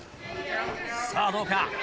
さぁどうか？